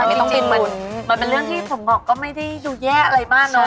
จริงมันเป็นเรื่องที่ผมงอกก็ไม่ได้ดูแยะอะไรมากเนาะ